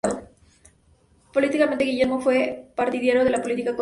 Políticamente, Guillermo era partidario de la política colonial.